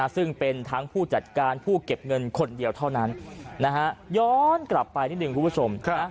ซึ่งเป็นทั้งผู้จัดการผู้เก็บเงินคนเดียวเท่านั้นย้อนกลับไปนิดหนึ่งคุณผู้ชม